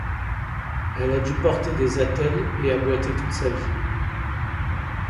Elle a dû porter des attelles et a boité toute sa vie.